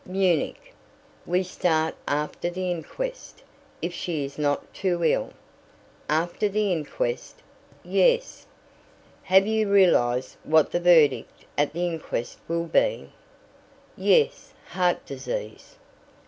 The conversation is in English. "Munich. We start after the inquest, if she is not too ill." "After the inquest?" "Yes." "Have you realized what the verdict at the inquest will be?" "Yes, heart disease."